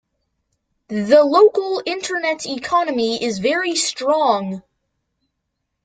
The local internet economy is very strong.